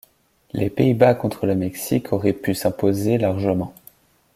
Les Pays-Bas contre le Mexique aurait put s'imposer largement.